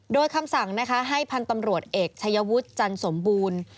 โดยคำสั่งนะคะให้พันธ์ตำรวจเอกชายวุฒิจันสมบูรณ์